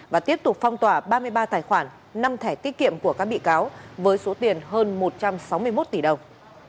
và tiếp tục phong tỏa ba mươi ba tài khoản năm thẻ tiết kiệm của các bị cáo với số tiền hơn một trăm sáu mươi một tỷ đồng